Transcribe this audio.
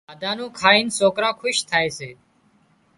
کاڌا نُون کائين سوڪران خوش ٿائي سي